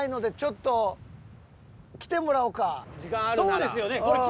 そうですよね！